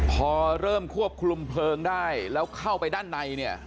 พอเริ่มควบคุมเพลิงได้แล้วเข้าไปด้านในเนี่ย